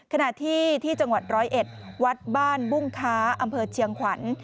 ขณะที่ที่จังหวัดร้อยเอ็ดวัดบ้านบุ้งค้าอำเภอเชียงขวัญ